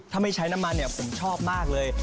ถ้าไม่ใช้น้ำมันเนี่ยผมชอบมากเลย